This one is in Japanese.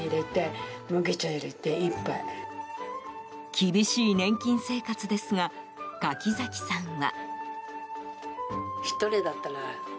厳しい年金生活ですが柿崎さんは。